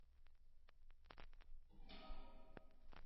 诺斯伍兹是位于美国亚利桑那州阿帕契县的一个非建制地区。